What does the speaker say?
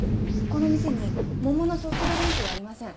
この店に桃のソフトドリンクはありません。